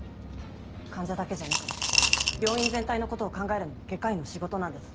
患者だけじゃなく病院全体の事を考えるのも外科医の仕事なんです。